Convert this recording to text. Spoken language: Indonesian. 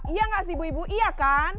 iya nggak sih ibu ibu iya kan